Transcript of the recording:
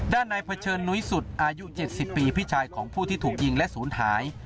ด้านนายเผชิญนุ้ยสุดอายุ๗๐ปีพี่ชายของผู้ที่ถูกยิงและศูนย์หาย